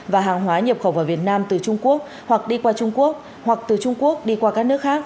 và hàng hóa nhập khẩu vào việt nam từ trung quốc hoặc đi qua trung quốc hoặc từ trung quốc đi qua các nước khác